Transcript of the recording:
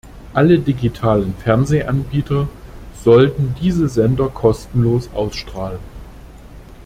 Alle digitalen Fernsehanbieter sollten diese Sender kostenlos ausstrahlen.